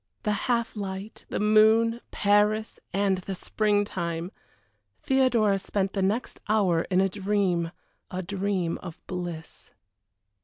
The half light, the moon, Paris, and the spring time! Theodora spent the next hour in a dream a dream of bliss.